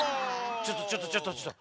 ちょっとちょっとちょっとちょっと。